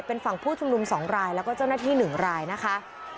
เป็นฝั่งผู้ชุมนุม๒รายแล้วก็เจ้าหน้าที่๑รายนะคะ